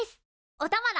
おたまだ！